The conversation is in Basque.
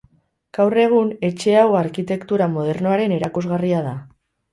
Gaur egun, etxe hau arkitektura modernoaren erakusgarria da.